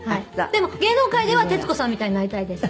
でも芸能界では徹子さんみたいになりたいです。